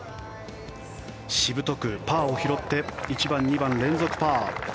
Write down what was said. しぶとくパーを拾って１番、２番、連続パー。